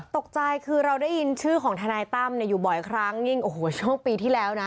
ตกใจคือเราได้ยินชื่อของทนายตั้มเนี่ยอยู่บ่อยครั้งยิ่งโอ้โหช่วงปีที่แล้วนะ